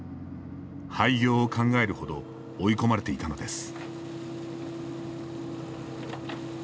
廃業を考えるほど追い込まれていたのです。